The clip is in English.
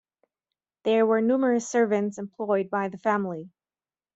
There were numerous servants employed by the family.